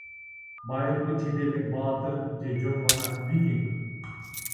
Байыркы чет элдик баатыр же жөн гана викинг.